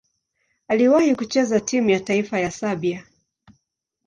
Aliwahi kucheza timu ya taifa ya Serbia.